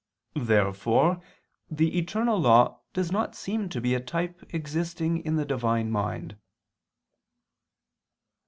Therefore the eternal law does not seem to be a type existing in the Divine mind.